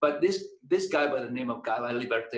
tapi orang orang ini dengan nama gala liberté